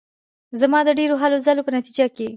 زما د ډېرو هلو ځلو په نتیجه کې.